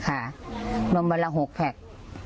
ค่ะนมเวลา๖แผลก